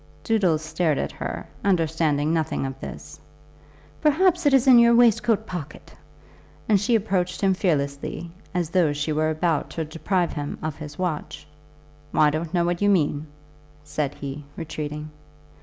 Doodles stared at her, understanding nothing of this. "Perhaps it is in your waistcoat pocket," and she approached him fearlessly, as though she were about to deprive him of his watch. "I don't know what you mean," said he, retreating.